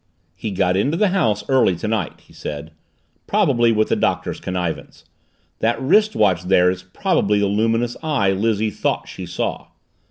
"He got into the house early tonight," he said, "probably with the Doctor's connivance. That wrist watch there is probably the luminous eye Lizzie thought she saw."